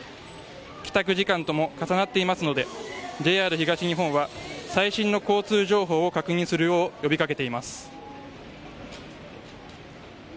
帰宅時間とも重なっていますのでＪＲ東日本は最新の交通情報を確認するよう呼びかけています。